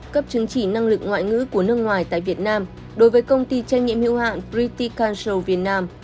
cấp chứng chỉ năng lực ngoại ngữ của nước ngoài tại việt nam đối với công ty trang nhiệm hữu hạng pretty council việt nam